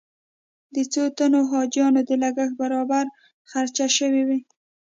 د څو تنو حاجیانو د لګښت برابر خرچه شوې وي.